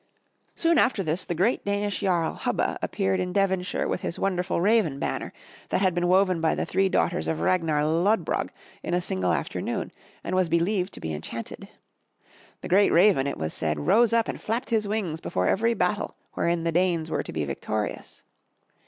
'* Soon after this the great Danish Yarl, Hubba, appeared in Devonshire with his wonderful raven banner, that had been woven by the three daughters of Ragnar Lodbrog in a single afternoon and was believed to be enchanted. The great raven, it was said, rose up and flapped his wings before every battle wherein the Danes were to be victorious.